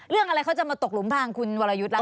เรื่องอะไรเขาจะมาตกหลุมทางคุณวรยุทธ์แล้ว